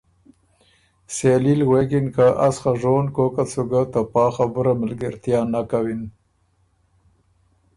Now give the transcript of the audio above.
سېلي ل غوېکِن که ”از خه ژون کوکت سُو ګۀ ته پا خبُره ملګېرتیا نک کَوِن۔